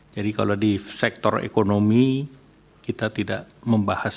jadi kalau di sektor ekonomi kita tidak membahasnya